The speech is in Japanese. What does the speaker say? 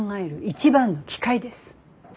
一番の機会です。